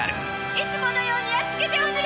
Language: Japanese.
いつものようにやっつけておくれ！